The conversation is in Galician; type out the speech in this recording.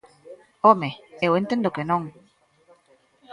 ¡Home!, eu entendo que non.